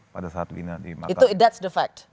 pada saat wina dimakan itu itu fakta